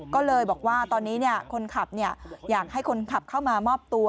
ก็เลยบอกว่าตอนนี้คนขับอยากให้คนขับเข้ามามอบตัว